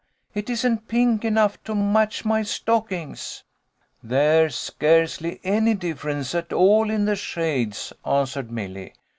It isn't pink enough to match my stockings." "There's scarcely any difference at all in the shades," answered Milly.